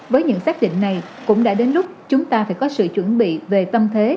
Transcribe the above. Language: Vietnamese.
với những xác định này cũng đã đến lúc chúng ta phải có sự chuẩn bị về tâm thế